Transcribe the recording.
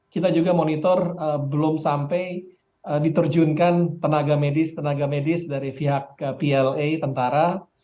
kita juga monitor belum sampai diterjunkan tenaga medis tenaga medis dari pihak pla tentara